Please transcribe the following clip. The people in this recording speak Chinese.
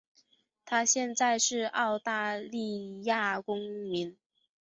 她现在是澳大利亚公民。